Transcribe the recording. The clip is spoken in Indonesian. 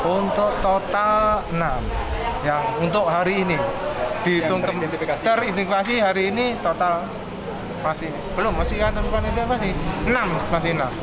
untuk total enam untuk hari ini teridentifikasi hari ini total masih enam